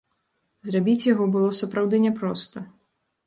Зрабіць яго было сапраўды няпроста.